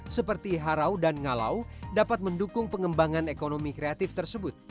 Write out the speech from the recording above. seperti harau dan ngalau dapat mendukung pengembangan ekonomi kreatif tersebut